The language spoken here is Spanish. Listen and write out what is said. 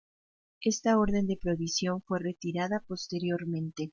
Esta orden de prohibición fue retirada posteriormente.